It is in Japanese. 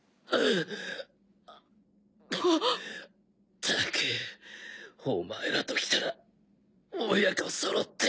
ったくお前らときたら親子そろって。